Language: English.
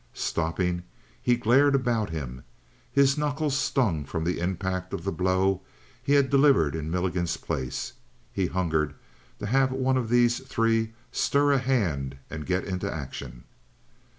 Stopping, he glared about him. His knuckles stung from the impact of the blow he had delivered in Milligan's place. He hungered to have one of these three stir a hand and get into action.